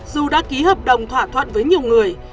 dù đã ký hợp đồng thỏa thuận với nhiều người